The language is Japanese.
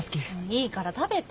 いいから食べて。